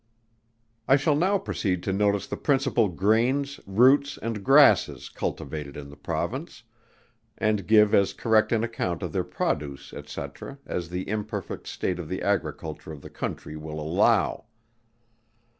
I shall now proceed to notice the principal grains, roots, and grasses cultivated in the Province, and give as correct an account of their produce, &c. as the imperfect state of the agriculture of the country will allow.